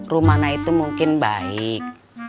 rumana itu mungkin baik